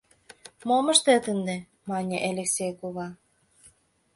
— Мом ыштет ынде, — мане Элексей кува.